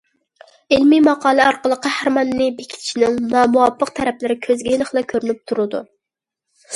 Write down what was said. ئىلمىي ماقالە ئارقىلىق قەھرىماننى بېكىتىشنىڭ نامۇۋاپىق تەرەپلىرى كۆزگە ئېنىقلا كۆرۈنۈپ تۇرىدۇ.